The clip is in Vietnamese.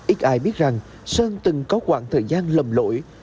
ít ai biết rằng sơn từng có quãng thời gian lầm lỗi